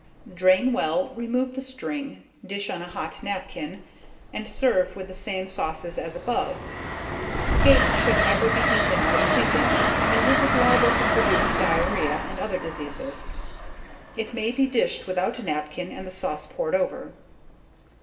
Drain well, remove the string, dish on a hot napkin, and serve with the same sauces as above. Skate should never be eaten out of season, as it is liable to produce diarrhoea and other diseases. It may be dished without a napkin, and the sauce poured over.